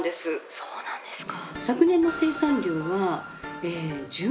そうなんですか。